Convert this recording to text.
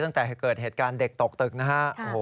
ตั้งแต่เกิดเหตุการณ์เด็กตกตึกนะฮะ